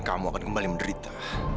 kamu akan kembali menderita